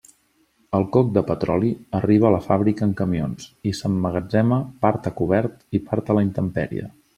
El coc de petroli arriba a la fàbrica en camions i s'emmagatzema part a cobert i part a la intempèrie.